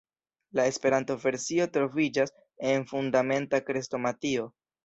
La Esperanto-versio troviĝas en Fundamenta Krestomatio.